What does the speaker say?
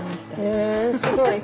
へえすごい。